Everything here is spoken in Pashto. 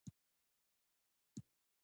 د ځمکې شاوخوا هوا ته اتموسفیر ویل کیږي.